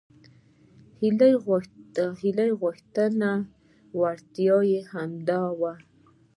هیلې غوښتنې وړتیاوې همدا وو.